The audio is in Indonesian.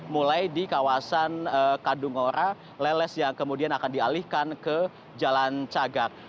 mulai di kawasan kadungora leles yang kemudian akan dialihkan ke jalan cagak